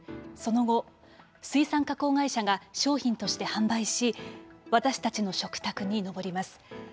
その後、水産加工会社が商品として販売し私たちの食卓に上ります。